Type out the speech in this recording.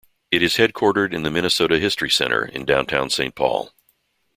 It is headquartered in the Minnesota History Center in downtown Saint Paul.